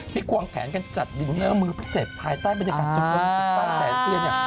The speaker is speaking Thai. ที่กว้างแขนกันจัดดินเนื้อมือพิเศษภายใต้บรรยากาศสุดยอดสุดใต้แขนเตี้ย